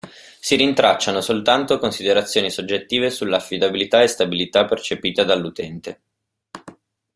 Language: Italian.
Si rintracciano soltanto considerazioni soggettive sulla affidabilità e stabilità percepita dall'utente.